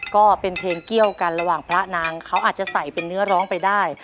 ก็เป็นเพลงเกี้ยวกันระหว่างพระนางเขาอาจจะใส่เป็นเนื้อร้องไปได้